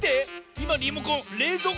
いまリモコンれいぞう